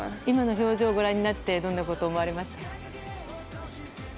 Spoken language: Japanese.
今の表情をご覧になってどんなことを思われました？